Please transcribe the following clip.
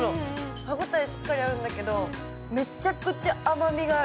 歯応えしっかりあるんだけどめちゃくちゃ甘みがある。